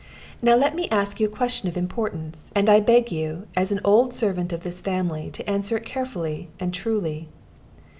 Now let me ask you a question of importance; and I beg you, as an old servant of this family, to answer it carefully and truly.